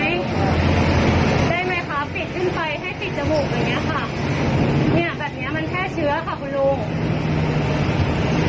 เนี่ยแบบนี้มันแค่เชื้อค่ะคุณลุง